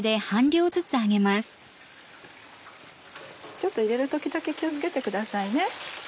ちょっと入れる時だけ気を付けてくださいね。